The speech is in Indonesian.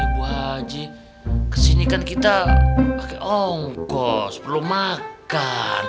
bu aji kesini kan kita pake ongkos perlu makan